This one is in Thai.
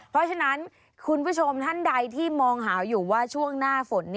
เพราะฉะนั้นคุณผู้ชมท่านใดที่มองหาอยู่ว่าช่วงหน้าฝน